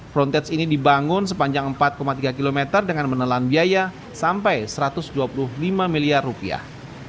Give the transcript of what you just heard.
frontage ini dibangun sepanjang empat tiga km dengan menelan biaya sampai satu ratus dua puluh lima miliar rupiah